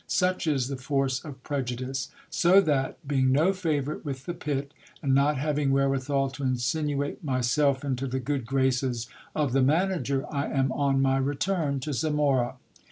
Such is the force of prejudice ! So that, being no favourite with the pit, and not having wherewithal to insinuate myself into the good graces of the manager, I am on my return to Zamora.